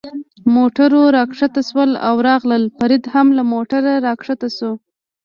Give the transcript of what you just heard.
موټرو را کښته شول او راغلل، فرید هم له موټره را کښته شو.